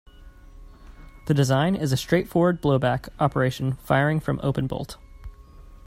The design is a straightforward blowback operation firing from open bolt.